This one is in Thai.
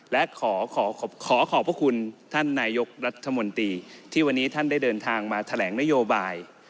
และขอขอบพระคุณท่านนายกรัฐมนตรีที่วันนี้ท่านได้เดินทางมาแถลงนโยบาย